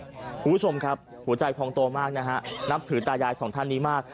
คุณผู้ชมครับหัวใจพองโตมากนะฮะนับถือตายายสองท่านนี้มาก